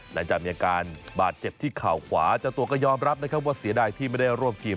หลังจากมีอาการบาดเจ็บที่เข่าขวาเจ้าตัวก็ยอมรับนะครับว่าเสียดายที่ไม่ได้ร่วมทีม